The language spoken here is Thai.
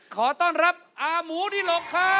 ขอต้อนรับอาหมูดิหลกครับ